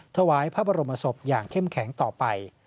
ถวายพระบรมศพอย่างเข้มแข็งต่อไป